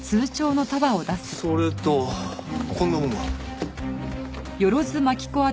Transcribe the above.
それとこんなものが。